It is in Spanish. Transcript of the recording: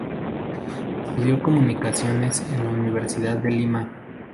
Estudió Comunicaciones en la Universidad de Lima.